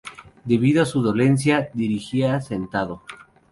Debido a su dolencia, dirigía sentado.